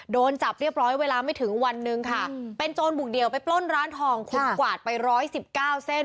โดนจับเรียบร้อยเวลาไม่ถึงวันหนึ่งค่ะเป็นโจรบุกเดี่ยวไปปล้นร้านทองคุณกวาดไปร้อยสิบเก้าเส้น